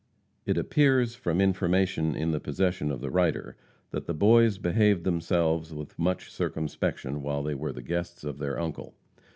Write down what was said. It appears, from information in the possession of the writer, that the Boys behaved themselves with much circumspection while they were the guests of their uncle.